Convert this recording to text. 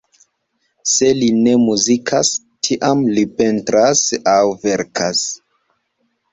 Se li ne muzikas, tiam li pentras aŭ verkas.